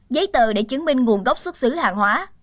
giấy tờ để chứng minh nguồn gốc xuất xứ hàng hóa